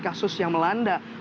kasus yang melanda